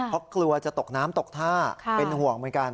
เพราะกลัวจะตกน้ำตกท่าเป็นห่วงเหมือนกัน